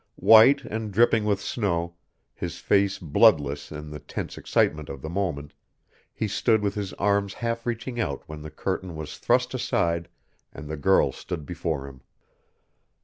White and dripping with snow, his face bloodless in the tense excitement of the moment, he stood with his arms half reaching out when the curtain was thrust aside and the girl stood before him.